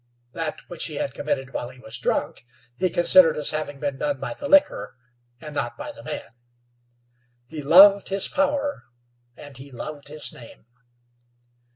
That which he had committed while he was drunk he considered as having been done by the liquor, and not by the man. He loved his power, and he loved his name.